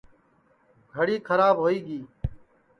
گھڑی کھراب ہوئی گی